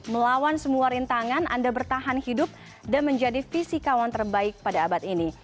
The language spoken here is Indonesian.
melawan semua rintangan anda bertahan hidup dan menjadi fisikawan terbaik pada abad ini